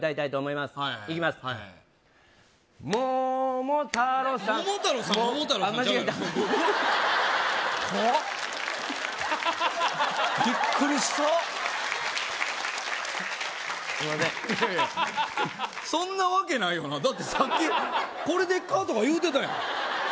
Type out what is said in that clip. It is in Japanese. いやいやそんな訳ないよなだってさっきこれでっか？とか言うてたやん